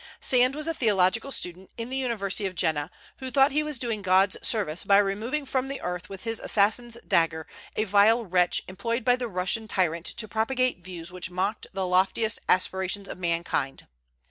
Sand was a theological student in the University of Jena, who thought he was doing God's service by removing from the earth with his assassin's dagger a vile wretch employed by the Russian tyrant to propagate views which mocked the loftiest aspirations of mankind.